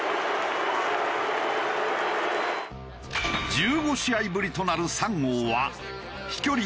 １５試合ぶりとなる３号は飛距離